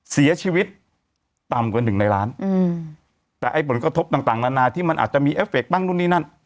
เสียชีวิตต่ำกว่าหนึ่งในล้านอืมแต่ไอ้ผลกระทบต่างต่างนานาที่มันอาจจะมีเอฟเฟคบ้างนู่นนี่นั่น